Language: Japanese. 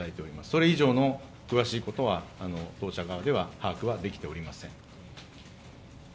それ以上の詳しいことは当社側では把握できておりません。